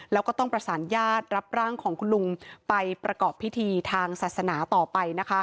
แล้วก็ต้องประสานญาติรับร่างของคุณลุงไปประกอบพิธีทางศาสนาต่อไปนะคะ